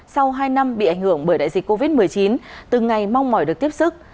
sau hai năm bị ảnh hưởng bởi đại dịch covid một mươi chín từng ngày mong mỏi được tiếp sức